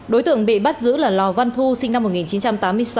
đối tượng bị bắt giữ là lò văn thu sinh năm một nghìn chín trăm tám mươi sáu